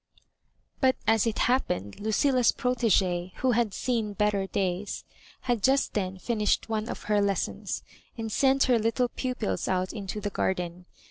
But as it happened, Lucilla's proiigee^ who had seen better dtap^ had just then finished one of her lessons, and sent her Uttle pupils out Into the garden.